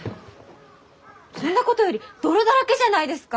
そんなことより泥だらけじゃないですか！